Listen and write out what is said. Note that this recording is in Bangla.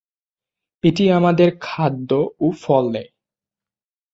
এটি আমাদের খাদ্য এবং ফল দেয়।